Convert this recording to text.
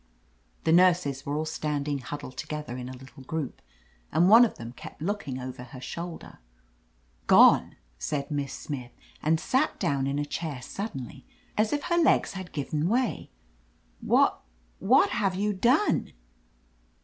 The nurses were all standing huddled together in a little group, and one of them kept looking over her shoulder. "Gone!" said Miss Smith, and sat down in a chair suddenly, as if her legs had given way. Wha — ^what have you done?"